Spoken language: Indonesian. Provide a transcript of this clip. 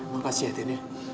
makasih ya tini